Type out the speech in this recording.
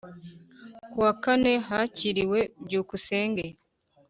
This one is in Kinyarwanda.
Ku wa kane Hakiriwe Byukusenge